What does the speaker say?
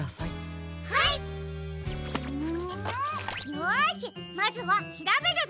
よしまずは「しらべる」だ。